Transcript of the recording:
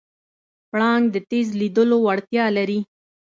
پړانګ د تېز لیدلو وړتیا لري.